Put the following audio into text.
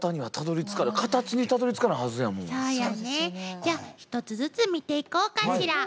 じゃあ一つずつ見ていこうかしら。